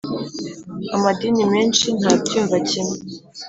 amadini menshi ntabyumva kimwe